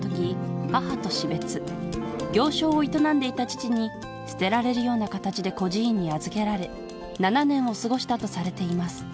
１８８３年生まれに捨てられるような形で孤児院に預けられ７年を過ごしたとされています